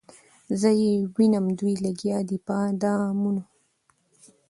زه یې وینم دوی لګیا دي په دامونو